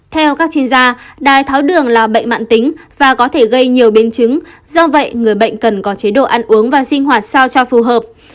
theo các chuyên gia đai tháo đường là bệnh mạng tính và có thể gây nhiều biến chứng do vậy người bệnh cần có chế độ ăn uống và sinh hoạt sao cho phù hợp